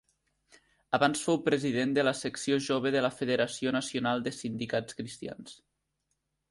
Abans fou president de la secció jove de la Federació Nacional de Sindicats Cristians.